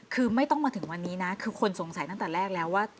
คือไม่ต้องมาถึงวันนี้นะคือคนสงสัยตั้งแต่แรกแล้วว่า